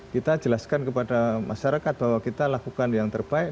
kita jelaskan kepada masyarakat bahwa kita lakukan yang terbaik